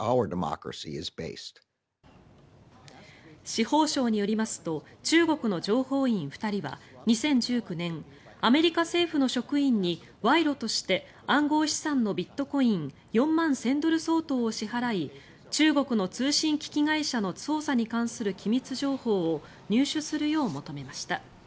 司法省によりますと中国の情報員２人は２０１９年アメリカ政府の職員に賄賂として暗号資産のビットコイン４万１０００ドル相当を支払い中国の通信機器会社の捜査に関する機密情報を入手するよう求めました。